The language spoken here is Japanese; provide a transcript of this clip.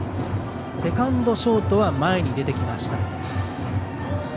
セカンド、ショートは前に出てきました。